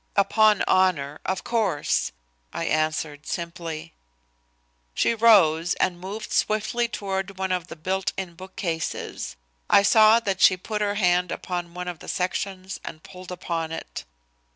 "Upon honor, of course," I answered simply. She rose and moved swiftly toward one of the built in bookcases. I saw that she put her hand upon one of the sections and pulled upon it.